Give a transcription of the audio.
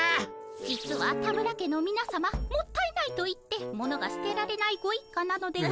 実は田村家のみなさまもったいないと言ってものが捨てられないご一家なのでございます。